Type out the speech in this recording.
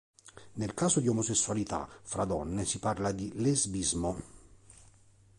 Nel caso di omosessualità fra donne si parla di lesbismo.